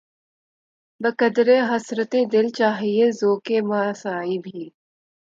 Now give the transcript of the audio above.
بقدرِ حسرتِ دل‘ چاہیے ذوقِ معاصی بھی